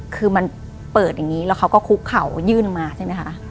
คือมันเปิดอย่างนี้แล้วเขาก็คุกเข่ายื่นมาใช่ไหมคะ